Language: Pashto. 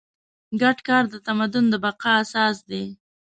ګډ کار د تمدن د بقا اساس دی.